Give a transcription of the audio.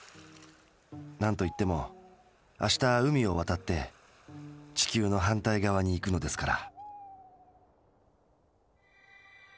なんといっても明日海をわたって地球の反対側に行くのですから。